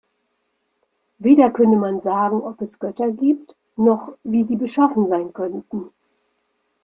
Weder könne man sagen, ob es Götter gibt, noch wie sie beschaffen sein könnten.